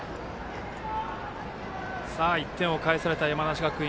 １点を返された山梨学院。